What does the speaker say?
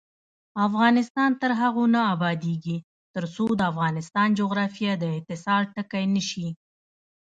افغانستان تر هغو نه ابادیږي، ترڅو د افغانستان جغرافیه د اتصال ټکی نشي.